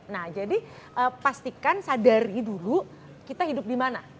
nah jadi pastikan sadari dulu kita hidup dimana